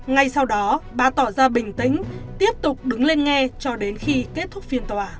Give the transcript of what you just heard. ngay sau đó bà tỏ ra bình tĩnh tiếp tục đứng lên nghe cho đến khi kết thúc phiên tòa